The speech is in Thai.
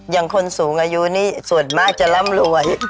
คนสูงอายุนี่ส่วนมากจะร่ำรวย